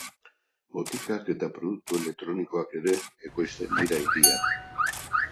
Botikak eta produktu elektronikoak ere ekoizten dira hirian.